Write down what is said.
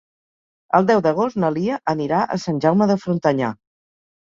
El deu d'agost na Lia anirà a Sant Jaume de Frontanyà.